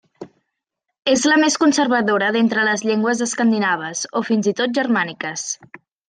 És la més conservadora d'entre les llengües escandinaves, o fins i tot germàniques.